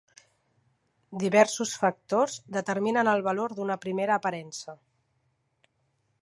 Diversos factors determinen el valor d'una primera aparença.